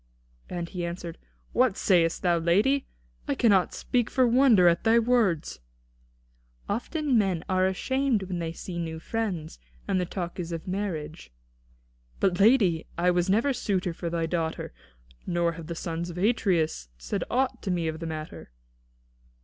And he answered: "What sayest thou, lady? I cannot speak for wonder at thy words." "Often men are ashamed when they see new friends, and the talk is of marriage." "But lady, I never was suitor for thy daughter. Nor have the sons of Atreus said aught to me of the matter."